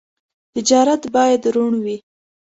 تجارت باید روڼ وي.